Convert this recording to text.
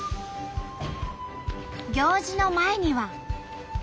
行事の前には。